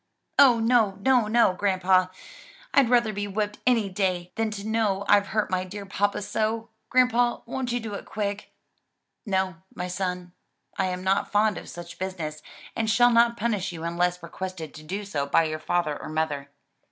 "Oh no, no, no, grandpa! I'd rather be whipped any day than to know I've hurt my dear papa so. Grandpa, won't you do it quick?" "No, my son, I am not fond of such business and shall not punish you unless requested to do so by your father or mother.